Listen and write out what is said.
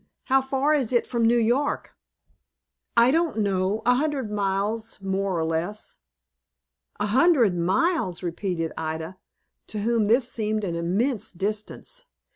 "How far is it from New York?" "I don't know; a hundred miles, more or less." "A hundred miles!" repeated Ida, to whom this seemed an immense distance.